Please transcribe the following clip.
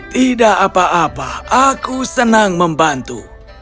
tidak apa apa aku senang membantu